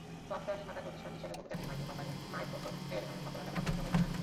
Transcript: Software নির্মাতা প্রতিষ্ঠান হিসেবে বহুজাতিক মার্কিন কোম্পানি মাইক্রোসফটের সফলতার কথা সবারই জানা।